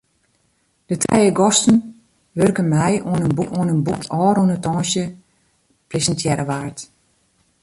De trije gasten wurken mei oan in boekje dat ôfrûne tongersdei presintearre waard.